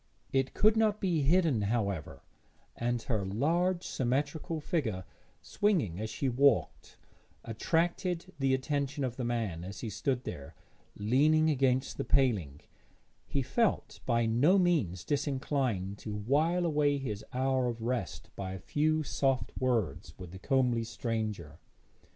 It could not be hidden, however, and her large symmetrical figure, swinging as she walked, attracted the attention of the man; as he stood there, leaning against the paling, he felt by no means disinclined to while away his hour of rest by a few soft words with the comely stranger.